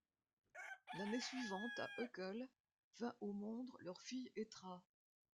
L'année suivante à Uccle vint au monde leur fille Etra.